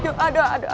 aduh aduh aduh